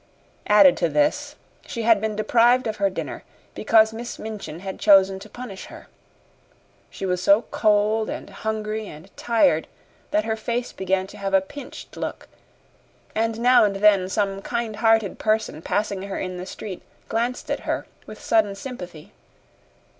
Added to this, she had been deprived of her dinner, because Miss Minchin had chosen to punish her. She was so cold and hungry and tired that her face began to have a pinched look, and now and then some kind hearted person passing her in the street glanced at her with sudden sympathy.